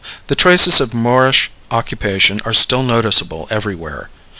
The traces of Moorish occupation are still noticeable everywhere.